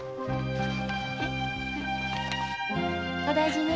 お大事に。